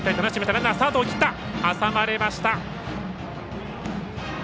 ランナー、スタート切ったが挟まれました。